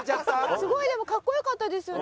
すごいでもかっこよかったですよね